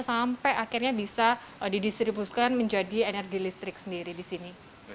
sampai akhirnya bisa didistribusikan menjadi energi listrik sendiri di sini